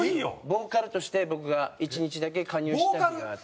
ボーカルとして僕が１日だけ加入した日があって。